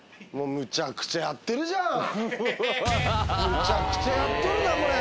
むちゃくちゃやっとるなこれ。